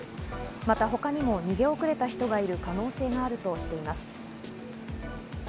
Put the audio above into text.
また、他にも逃げ遅れた人がいる可能性もあるとしています。